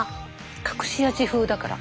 隠し味風だから。